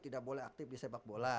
tidak boleh aktif di sepak bola